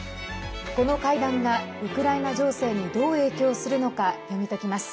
この会談が、ウクライナ情勢にどう影響するのか読み解きます。